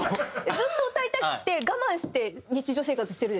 ずっと歌いたくて我慢して日常生活してるでしょ？